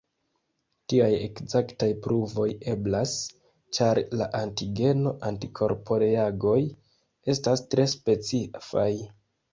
Tiaj ekzaktaj pruvoj eblas, ĉar la antigeno-antikorporeagoj estas tre specifaj.